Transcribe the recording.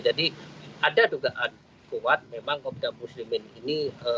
jadi ada dugaan kuat memang kobda muslimin ini